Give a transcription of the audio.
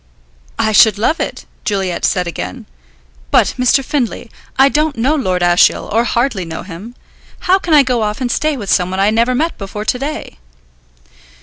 "I should love it," Juliet said again. "But, Mr. Findlay, I don't know Lord Ashiel, or hardly know him. How can I go off and stay with someone I never met before to day?"